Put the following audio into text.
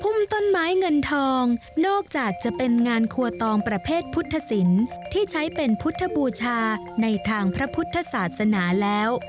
ุ่มต้นไม้เงินทองนอกจากจะเป็นงานครัวตองประเภทพุทธศิลป์ที่ใช้เป็นพุทธบูชาในทางพระพุทธศาสนาแล้ว